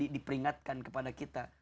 diperingatkan kepada kita